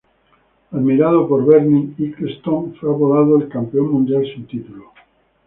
Admirado por Bernie Ecclestone, fue apodado "El campeón mundial sin título".